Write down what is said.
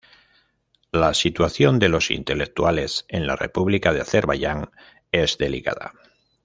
La situación de los intelectuales en la República de Azerbaiyán es delicada.